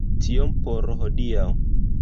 Tiom por hodiaŭ.